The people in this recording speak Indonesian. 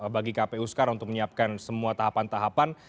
bagi kpu sekarang untuk menyiapkan semua tahapan tahapan